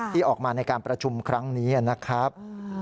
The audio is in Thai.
ที่ออกมาในการประชุมครั้งนี้นะครับ